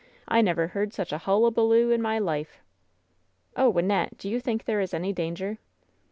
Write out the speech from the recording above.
I never heard such a hullabaloo in my life!" "Oh, Wynnette, do you think there is any danger?''